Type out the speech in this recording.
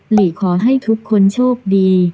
หลีขอให้ทุกคนโชคดี